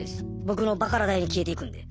僕のバカラ代に消えていくんで。